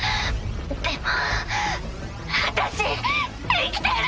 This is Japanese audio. でも私生きてる！